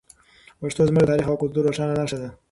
پښتو زموږ د تاریخ او کلتور روښانه نښه ده.